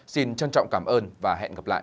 xin trân trọng cảm ơn và hẹn gặp lại